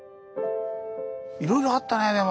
いろいろあったねでも。